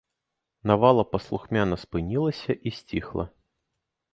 Навала паслухмяна спынілася і сціхла.